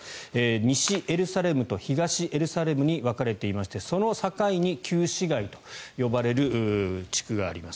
西エルサレムと東エルサレムに分かれていましてその境に旧市街と呼ばれる地区があります。